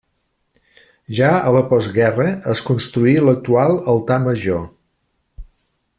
Ja a la postguerra es construí l'actual altar major.